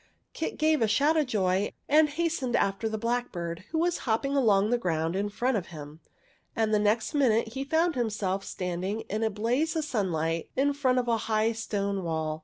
Kit gave a shout of joy and hastened after the blackbird, who was hopping along the ground in front of him ; and the next minute he found himself standing in a blaze of sunlight in front of a high stone wall.